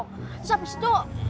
terus abis itu